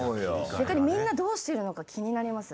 逆にみんなどうしてるのか気になります。